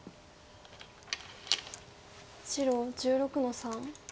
白１６の三。